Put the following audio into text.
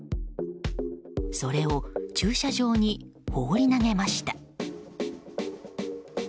それを駐車場に放り投げました。